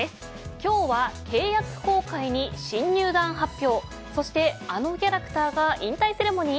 今日は契約更改に新入団発表そして、あのキャラクターが引退セレモニー